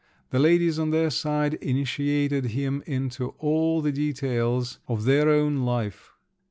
The ladies on their side initiated him into all the details of their own life.